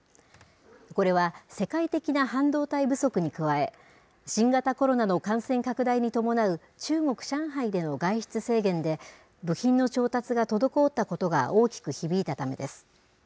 これは世界的な半導体不足に加え、新型コロナの感染拡大に伴う、中国・上海での外出制限で、部品の調達が滞ったことが大きく響いたためです。